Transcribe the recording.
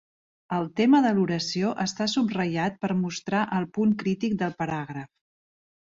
El tema de l'oració està subratllat per mostrar el punt crític del paràgraf.